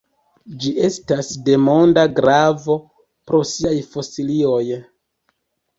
Ĝi estas de monda gravo pro siaj fosilioj.